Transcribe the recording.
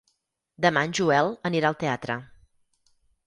Demà en Joel anirà al teatre.